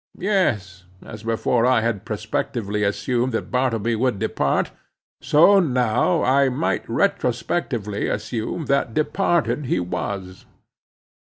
Yes, as before I had prospectively assumed that Bartleby would depart, so now I might retrospectively assume that departed he was.